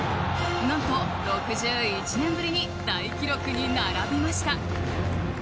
何と６１年ぶりに大記録に並びました。